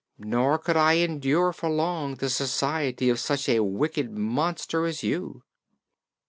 Nor could I endure for long the society of such a wicked monster as you."